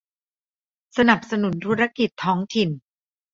สนับสนุนธุรกิจท้องถิ่น